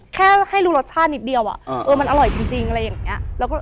แค่ให้รู้รสชาตินิดเดียวอ่ะเออมันอร่อยจริงอะไรอย่างเงี้ยเราก็รู้สึก